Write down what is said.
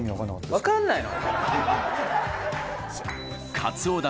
わかんないの？